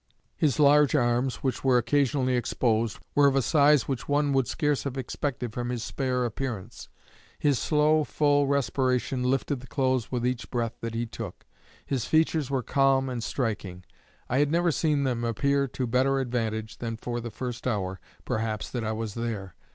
His large arms, which were occasionally exposed, were of a size which one would scarce have expected from his spare appearance. His slow, full respiration lifted the clothes with each breath that he took. His features were calm and striking. I had never seen them appear to better advantage than for the first hour, perhaps, that I was there.